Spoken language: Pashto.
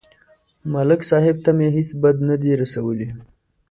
ملک صاحب ته مې هېڅ بد نه دي رسولي